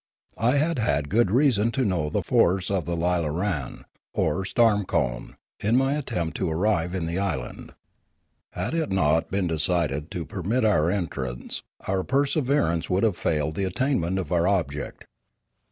I had had good reason to know the force of the lilaran, or storm cone, in my attempt to arrive in the island. Had it not been decided to permit our entrance, our perseverance would have failed of the attainment of our object.